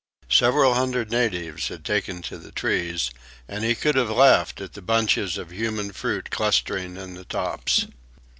Several hundred natives had taken to the trees, and he could have laughed at the bunches of human fruit clustering in the tops.